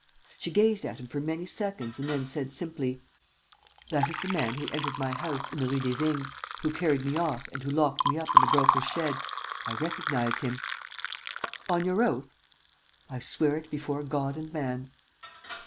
She gazed at him for many seconds and then said, simply: "That is the man who entered my house in the Rue des Vignes, who carried me off and who locked me up in the Broker's shed. I recognize him." "On your oath?" "I swear it before God and man."